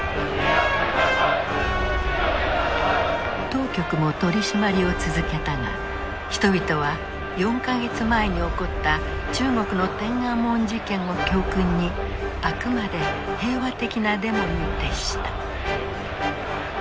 当局も取締りを続けたが人々は４か月前に起こった中国の天安門事件を教訓にあくまで平和的なデモに徹した。